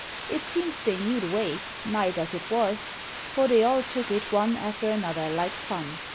It seems they knew the way, night as it was, for they all took it one after another like fun.